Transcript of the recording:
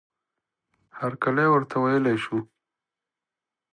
هرکلی ورته وویل شو.